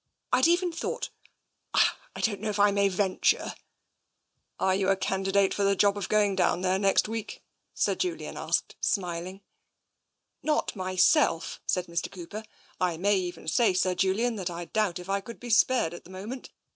I'd even thought — I don't know if I may ven ture —" TENSION 245 " Are you a candidate for the job of going down there next vveel^? " Sir Joilian asked, smiling. " Not myself/' said Mr. Cooper. " I may even say, Sir Julian, that I doubt if I could be spared at the moment.